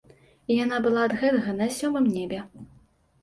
І яна была ад гэтага на сёмым небе.